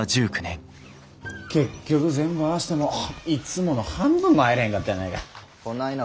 結局全部合わしてもいつもの半分も入れへんかったやないか。